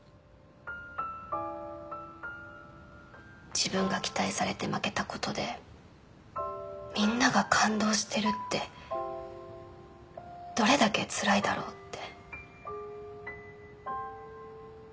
自分が期待されて負けたことでみんなが感動してるってどれだけつらいだろうって。